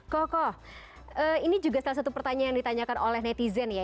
koko ini juga salah satu pertanyaan yang ditanyakan oleh netizen ya